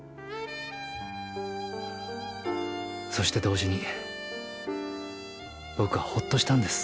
そして同時に僕はホッとしたんです。